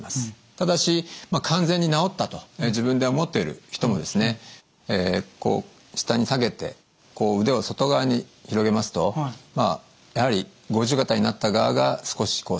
ただし完全に治ったと自分で思っている人もですねこう下に下げてこう腕を外側に広げますとまあやはり五十肩になった側が少しこう狭くなっている。